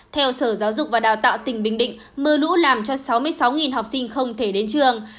theo sở giáo dục và đào tạo tỉnh bình định mưa lũ làm cho sáu mươi sáu học sinh không thể đến trường